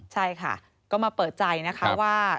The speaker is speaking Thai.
ใช่ค่ะก็มาเปิดใจนะคะว่า